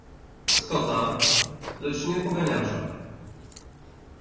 Scotta, lecz na poganiacza.